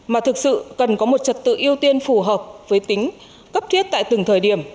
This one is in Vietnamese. mà thực sự cần có một trật tự ưu tiên phù hợp với tính cấp thiết tại từng thời điểm